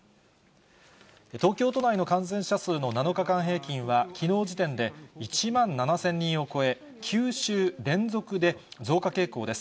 東京都内の感染者数の７日間平均は、きのう時点で１万７０００人を超え、９週連続で増加傾向です。